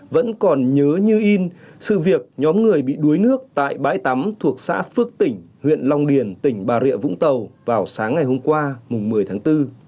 vẫn còn nhớ như in sự việc nhóm người bị đuối nước tại bãi tắm thuộc xã phước tỉnh huyện long điền tỉnh bà rịa vũng tàu vào sáng ngày hôm qua một mươi tháng bốn